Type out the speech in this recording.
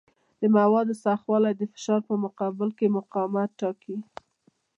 د موادو سختوالی د فشار په مقابل کې مقاومت ټاکي.